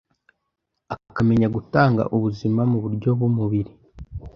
akamenya gutanga ubuzima mu buryo b’umubiri,